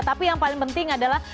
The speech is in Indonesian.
tapi yang paling penting adalah